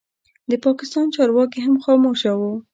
د پاکستان چارواکي هم خاموشه وو.